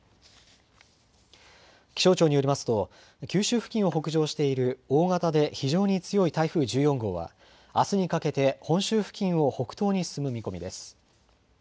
気象庁によりますと、九州付近を北上している大型で非常に強い台風１４号は、あすにかけて本州付近を北東に進む見込みです。